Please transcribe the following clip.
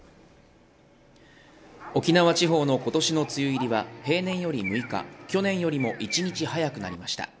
沖縄地方の今年の梅雨入りは平年より６日去年よりも１日早くなりました